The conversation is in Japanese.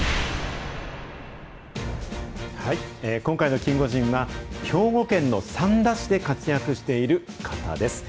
今回のキンゴジンは、兵庫県の三田市で活躍している方です。